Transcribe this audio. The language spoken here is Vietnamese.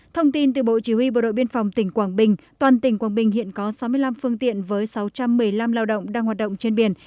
thông tin từ bộ chỉ huy bộ đội biên phòng tỉnh quảng bình toàn tỉnh quảng bình hiện có sáu mươi năm phương tiện với sáu trăm một mươi năm lao động đang hoạt động trên biển